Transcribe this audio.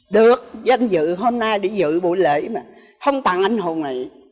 được danh dự hôm nay để dự buổi lễ mà không tặng anh hồn này